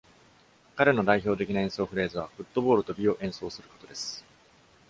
彼の代表的な演奏フレーズは、フットボールと美を演奏することです。